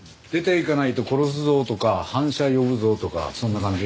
「出て行かないと殺すぞ」とか「反社呼ぶぞ」とかそんな感じ。